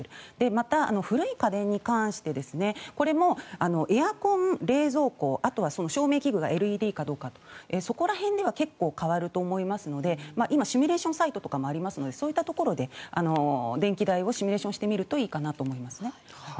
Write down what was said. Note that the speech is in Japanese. あと、古い家電に関してこれもエアコン、冷蔵庫あとは照明器具がＬＥＤかどうかとそこら辺では結構変わると思いますので今、シミュレーションサイトとかありますのでそういったところで電気代をシミュレーションしてみるといいかなと思います。